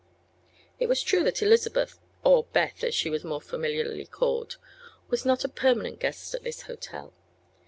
It was true that Elizabeth or "Beth," as she was more familiarly called was not a permanent guest at this hotel.